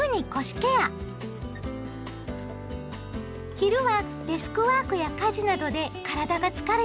昼はデスクワークや家事などで体が疲れてくる頃。